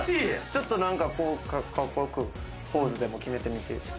ちょっとこうカッコ良くポーズでも決めてみて。